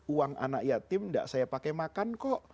uang anak yatim tidak saya pakai makan kok